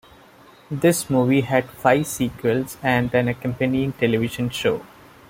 This movie had five sequels and an accompanying television show.